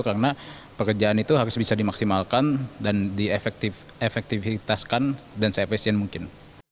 karena pekerjaan itu harus bisa dimaksimalkan dan diefektifitaskan dan se efficient mungkin